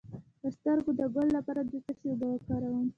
د سترګو د ګل لپاره د څه شي اوبه وکاروم؟